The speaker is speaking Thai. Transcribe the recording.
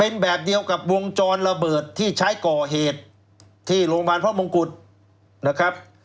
เป็นแบบเดียวกับวงจรระเบิดที่ใช้ก่อเหตุที่โรงพยาบาลพระมงกุฎนะครับ